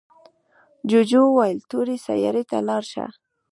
جوجو وویل تورې سیارې ته لاړ شه.